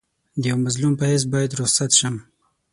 د یوه مظلوم په حیث باید رخصت شم.